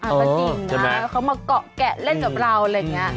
ก็จริงนะเขามาเกาะแกะเล่นกับเราอะไรอย่างนี้